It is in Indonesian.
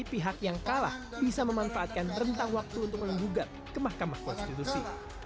pihak yang kalah bisa memanfaatkan rentang waktu untuk mengugat kemahkamah konstitusi